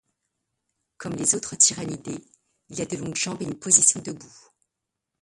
Comme les autres tyrannidés, il a de longues jambes et une position debout.